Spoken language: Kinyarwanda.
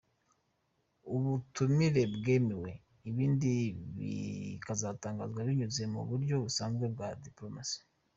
Ubutumire bwemewe, ibindi bikazatangazwa binyuze mu buryo busanzwe bwa dipolomasi.